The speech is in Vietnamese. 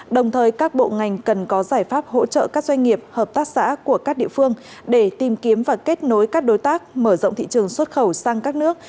đồng thời các bộ ngành cần có giải pháp hỗ trợ các doanh nghiệp hợp tác xã của các địa phương để tìm kiếm và kết nối các đối tác mở rộng thị trường xuất khẩu sang các nước